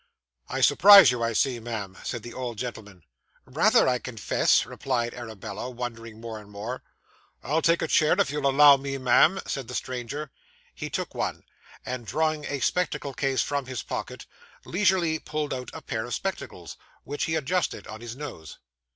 'I surprise you, I see, ma'am,' said the old gentleman. 'Rather, I confess,' replied Arabella, wondering more and more. 'I'll take a chair, if you'll allow me, ma'am,' said the stranger. He took one; and drawing a spectacle case from his pocket, leisurely pulled out a pair of spectacles, which he adjusted on his nose.